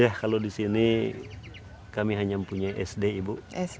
ya kalau di sini kami hanya punya sd ibu